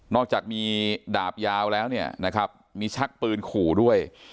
อกจากมีดาบยาวแล้วเนี่ยนะครับมีชักปืนขู่ด้วย